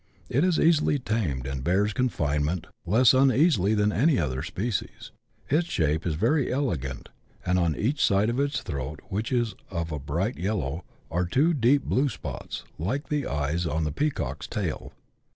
It is easily tamed, and bears confinement less un easily than any other species. Its shape is very elegant, and on each side of its throat, which is of a bright yellow, are two deep blue spots, like the eyes on the peacock's tail.